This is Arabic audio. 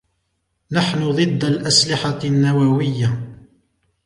نحن ضد الأسلحة النووية.